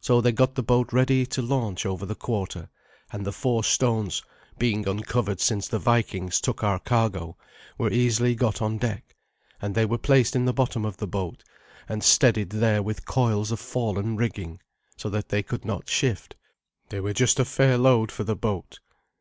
So they got the boat ready to launch over the quarter, and the four stones, being uncovered since the Vikings took our cargo, were easily got on deck, and they were placed in the bottom of the boat, and steadied there with coils of fallen rigging, so that they could not shift. They were just a fair load for the boat.